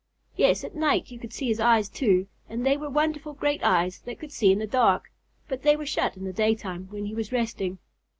Yes, at night you could see his eyes, too, and they were wonderful great eyes that could see in the dark, but they were shut in the daytime when he was resting.